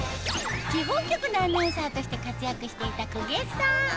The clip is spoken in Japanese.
地方局のアナウンサーとして活躍していた久下さん